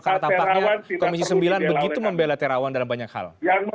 karena tampaknya komisi sembilan begitu membela terawan dalam banyak hal